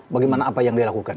bagaimana apa yang dia lakukan